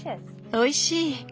おいしい！